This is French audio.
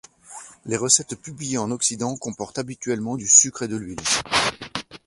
Les recettes publiées en Occident comportent habituellement du sucre et de l'huile.